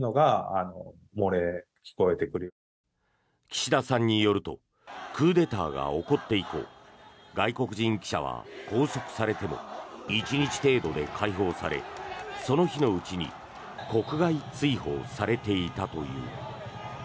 岸田さんによるとクーデターが起こって以降外国人記者は拘束されても１日程度で解放されその日のうちに国外追放されていたという。